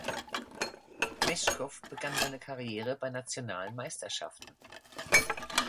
Meschkow begann seine Karriere bei nationalen Meisterschaften.